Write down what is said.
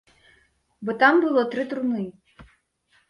Бо там было тры труны.